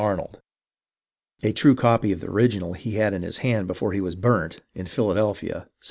r^ ARNOLD AND ANDRE 3OI true copy of the original which he had in his hand before he was burnt, in Philadelphia, Sept.